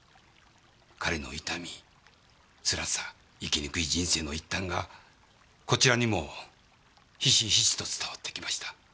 彼の痛みつらさ生きにくい人生の一端がこちらにもひしひしと伝わってきました。